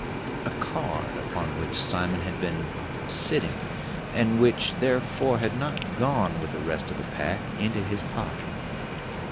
a card upon which Simon had been sitting, and which, therefore, had not gone with the rest of the pack into his pocket.